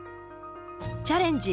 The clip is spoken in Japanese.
「チャレンジ！